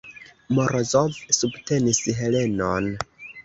Morozov subtenis Helenon.